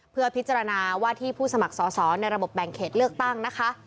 เพื่อพิจารณาว่าที่ผู้สมัครสอสอในระบบแบ่งเขตเลือกตั้งนะคะ